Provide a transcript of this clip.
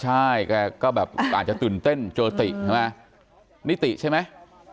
ใช่แกก็แบบอาจจะตื่นเต้นเจอติใช่ไหมนิติใช่ไหม